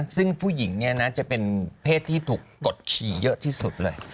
ซึ่งผู้หญิงเนี่ยนะจะเป็นเพศที่ถูกกดขี่เยอะที่สุดเลย